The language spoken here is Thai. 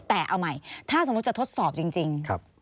แต่เอาใหม่ถ้าสมมุติจะทดสอบจริง